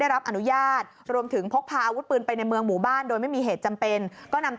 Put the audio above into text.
แม่บอกแบบนี้อันนี้ในมุมของแม่ผู้ตายนะคะคุณผู้ชมทีนี้ตำรวจเนี่ยก็จะมาจุดจบตรงนี้ไง